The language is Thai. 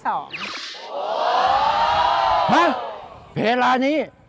เวลานี้